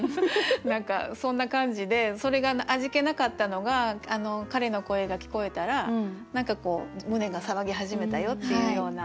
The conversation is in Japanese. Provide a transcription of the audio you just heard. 何かそんな感じでそれが味気なかったのが彼の声が聞こえたら何かこう胸が騒ぎ始めたよっていうような。